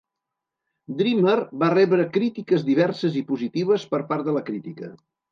"Dreamer" va rebre crítiques diverses i positives per part de la crítica.